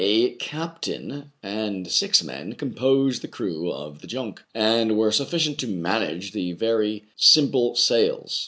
A captain and six men composed the crew of the junk, and were sufficient to manage the very simple sails.